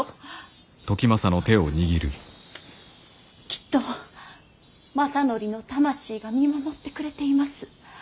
きっと政範の魂が見守ってくれています。